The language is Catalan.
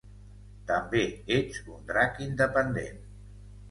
També ets un drac independent!